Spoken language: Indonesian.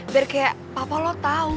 biar kayak papa lo tau